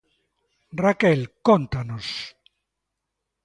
Raquel, cóntanos...